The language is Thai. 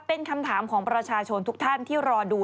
เป็นคำถามของประชาชนทุกท่านที่รอดู